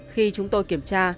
khi chúng tôi kiểm tra